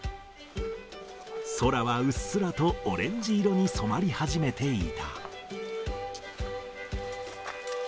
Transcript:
空はうっすらとオレンジ色に染まり始めていた。